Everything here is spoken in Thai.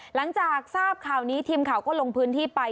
หลังจากทราบข่าวนี้ทีมข่าวก็ลงพื้นที่ไป